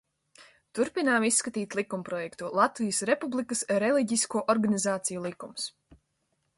"Turpinām izskatīt likumprojektu "Latvijas Republikas reliģisko organizāciju likums"."